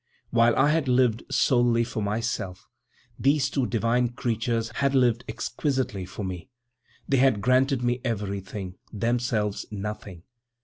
While I had lived solely for myself, these two divine creatures had lived exquisitely for me. They had granted me everything, themselves nothing.